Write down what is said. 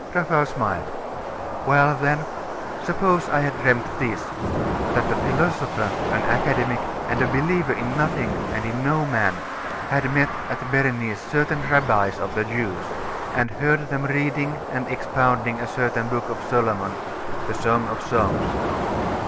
Raphael smiled. 'Well then.... Suppose I had dreamt this. That a philosopher, an academic, and a believer in nothing and in no man, had met at Berenice certain rabbis of the Jews, and heard them reading and expounding a certain book of Solomon the Song of Songs.